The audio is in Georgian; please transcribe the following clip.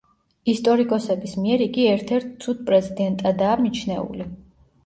ისტორიკოსების მიერ იგი ერთ-ერთ ცუდ პრეზიდენტადაა მიჩნეული.